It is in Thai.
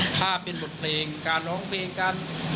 ถ้าเป็นบทเพลงการร้องเพลงการ